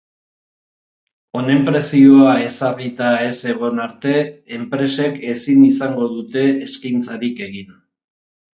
Honen prezioa ezarrita ez egon arte, enpresek ezin izango dute eskaintzarik egin.